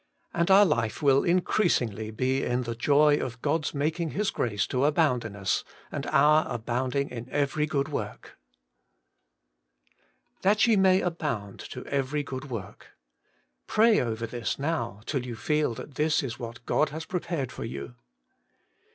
And our life will increasingly be in the joy of God's making His grace to abound in us, and our abounding in every good work. 8o Working for God 1. * That ye may abound to every good work.' Pray over this now till you feel that this is what God has prepared for you.